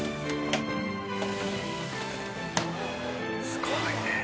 すごいねえ。